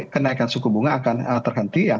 kenaikan suku bunga akan terhenti ya